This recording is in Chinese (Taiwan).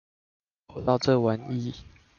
口罩這玩意